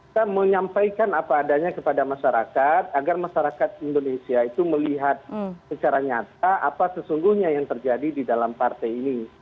kita menyampaikan apa adanya kepada masyarakat agar masyarakat indonesia itu melihat secara nyata apa sesungguhnya yang terjadi di dalam partai ini